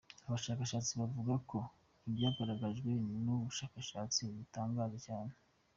Abashakashatsi bavuga ko ibyagaragajwe n'ubu bushakashatsi "bitangaje cyane".